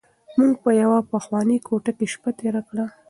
موږ په یوه پخوانۍ کوټه کې شپه تېره کړه.